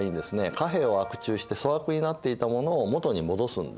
貨幣を悪鋳して粗悪になっていたものを元に戻すんですね。